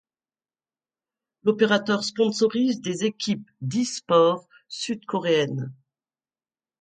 L'opérateur sponsorise des équipes d'e-sport sud-coréennes.